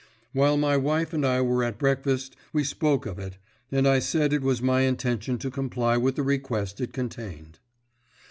While my wife and I were at breakfast we spoke of it, and I said it was my intention to comply with the request it contained.